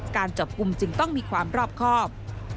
การจับกลุ่มจึงต้องมีความรอบครอบ